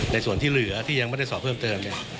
ในส่วนที่เหลือที่ยังไม่ได้สอบเพิ่มเติมเนี่ย